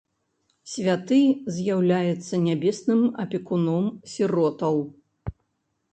Святы з'яўляецца нябесным апекуном сіротаў.